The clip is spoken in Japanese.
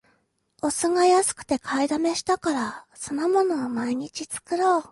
お酢が安くて買いだめしたから、酢の物を毎日作ろう